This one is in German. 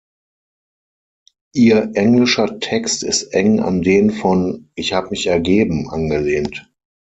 Ihr englischer Text ist eng an den von "Ich hab mich ergeben" angelehnt.